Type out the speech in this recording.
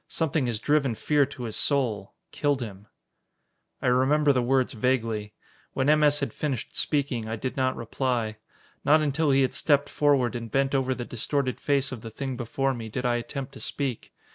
Something has driven fear to his soul, killed him." I remember the words vaguely. When M. S. had finished speaking, I did not reply. Not until he had stepped forward and bent over the distorted face of the thing before me, did I attempt to speak.